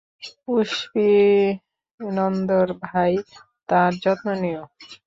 পুষ্পিন্দর ভাই, তার যত্ন নিও।